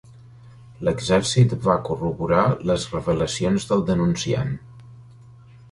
L'exèrcit va corroborar les revelacions del denunciant.